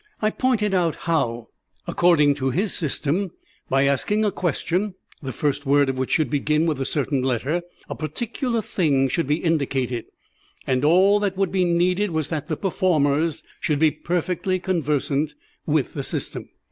I pointed out how, according to his system, by asking a question, the first word of which should begin with a certain letter, a particular thing should be indicated, and all that would be needed was that the performers should be perfectly conversant with the system.